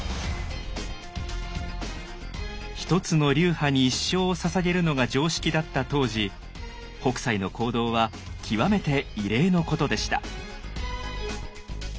一つの流派に一生をささげるのが常識だった当時北斎の行動は極めて異例のことでした。